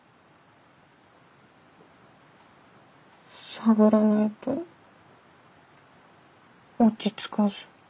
探らないと落ち着かず。